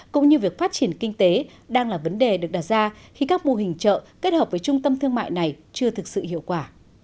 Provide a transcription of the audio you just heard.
cũng như việc phát triển kinh tế đang là vấn đề được đặt ra khi các mô hình chợ kết hợp với trung tâm thương mại này chưa thực sự hiệu quả